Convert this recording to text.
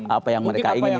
apa yang mereka inginkan